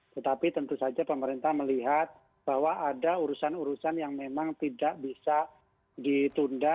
tetapi tentu saja pemerintah melihat bahwa ada urusan urusan yang memang tidak bisa ditunda